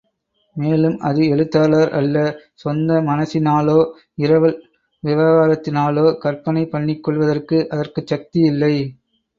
மேலும் அது எழுத்தாளர் அல்ல சொந்த மனசினாலோ, இரவல் விவகாரத்தினாலோ கற்பனை பண்ணிக் கொள்வதற்கு அதற்குச் சக்தி இல்லை.